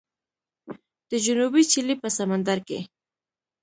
د جنوبي چیلي په سمندر کې